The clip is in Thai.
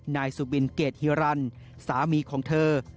นายสุบินเกรดฮิรันสามีของเธอ